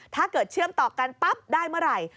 ถ้าเกิดเชื่อมต่อกันปั๊บได้เมื่อไหร่